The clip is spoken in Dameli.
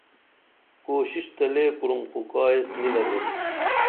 کوشش تہ لے کُرُم خو کائیس نی لدیم